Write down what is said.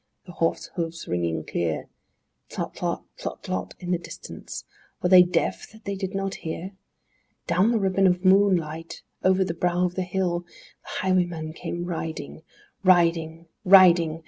The horse hoofs ringing clear; Tlot tlot, tlot tlot, in the distance? Were they deaf that they did not hear? Down the ribbon of moonlight, over the brow of the hill, The highwayman came riding, Riding, riding!